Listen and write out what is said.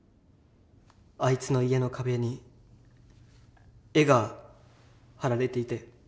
あいつの家の壁に絵が貼られていて。